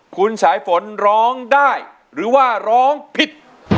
คุณสายฝนร้องได้หรือว่าร้องผิด